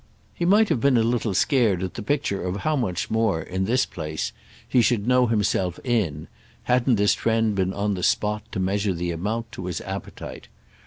He might have been a little scared at the picture of how much more, in this place, he should know himself "in" hadn't his friend been on the spot to measure the amount to his appetite.